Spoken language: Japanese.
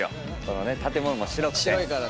この建物も白くて。